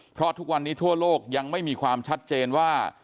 เพราะทุกวันนี้ทั่วโลกยังไม่มีความชัดเจนว่า